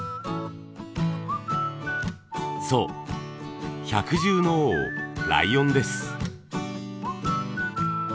そう百獣の王ライオンです。